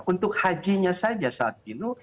untuk hajinya saja saat itu